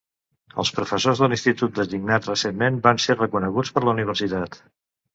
Els professors de l'institut designats recentment van ser reconeguts per la universitat.